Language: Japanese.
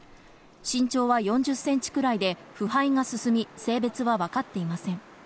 身長は４０センチくらいで腐敗が進み、性別は分かっていません。